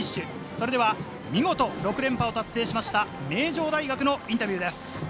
それでは見事６連覇を達成しました名城大学のインタビューです。